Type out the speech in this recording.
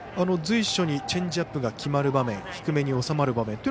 随所にチェンジアップが決まる場面低めに収まる場面